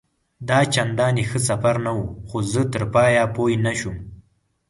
دا چنداني ښه سفر نه وو، خو زه تر پایه پوه نه شوم.